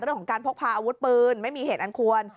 เรื่องของการพกพาอาวุธปืนไม่มีเหตุอันควร